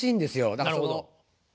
なるほど。